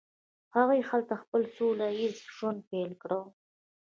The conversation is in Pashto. هغوی هلته خپل سوله ایز ژوند پیل کړ.